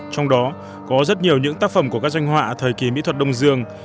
trong đó có rất nhiều những tác phẩm của các doanh họa thời kỳ mỹ thuật đông dương